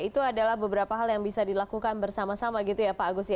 itu adalah beberapa hal yang bisa dilakukan bersama sama gitu ya pak agus ya